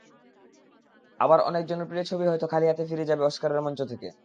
আবার অনেক জনপ্রিয় ছবিই হয়তো খালি হাতে ফিরে যাবে অস্কারের মঞ্চ থেকে।